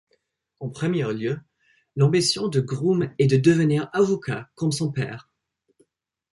En premier lieu, l'ambition de Groom est de devenir avocat comme son père.